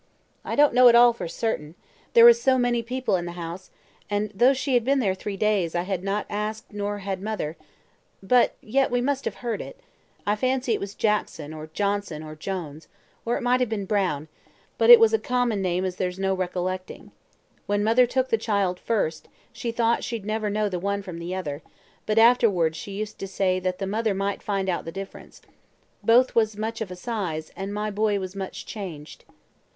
"I don't know at all for certain; there was so many people in the house, that though she had been there three days, I had not asked nor had mother, but yet we must have heard it. I fancy it was Jackson, or Johnson, or Jones, or it might be Brown, but it was a common name as there's no recollecting. When mother took the child first, she thought she'd never know the one from the other; but afterwards she used to say that the mother might find out the difference. Both was much of a size, and my boy was much changed."